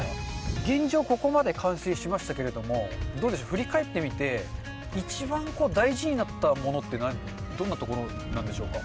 現状、ここまで完成しましたけれども、どうでしょう、振り返ってみて、一番大事になったものって、どんなところなんでしょうか。